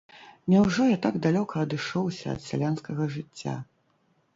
Няўжо я так далёка адышоўся ад сялянскага жыцця?